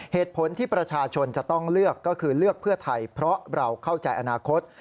เหตุผลที่ประชาชนจะต้องเลือกก็คือเลือกเพื่อไทยเพราะเราเข้าใจอนาคต